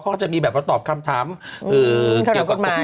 เขาก็จะมีแบบมาตอบคำถามเกี่ยวกับกฎหมาย